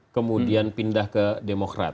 kemudian pindah ke demokrat